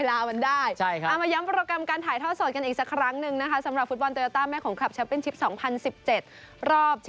และฉันหวังว่าทุกอย่างจะเป็นโอเค